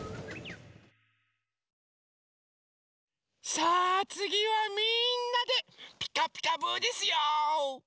さあつぎはみんなで「ピカピカブ！」ですよ！